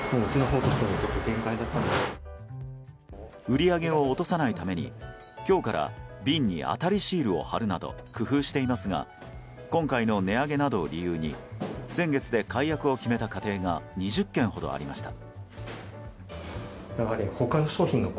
売り上げを落とさないために今日から瓶に当たりシールを貼るなど工夫していますが今回の値上げなどを理由に先月で解約を決めた家庭が２０軒ほどありました。